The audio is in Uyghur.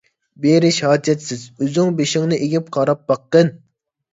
بېرىش ھاجەتسىز، ئۆزۈڭ بېشىڭنى ئېگىپ قاراپ باققىن!